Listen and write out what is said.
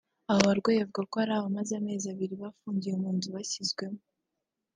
Abo barwayi bavuga ko hari abamaze hafi amezi abiri bafungiye mu nzu bashyizwemo